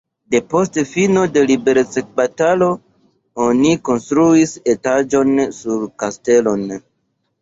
Depost fino de liberecbatalo oni konstruis etaĝon sur la kastelon.